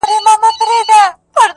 o د شپې بند اوبو وړی دئ!